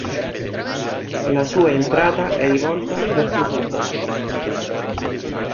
La sua entrata è rivolta verso sud.